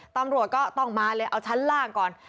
ตำรวจก็ต้องมาเลยเอาชั้นล่างก่อน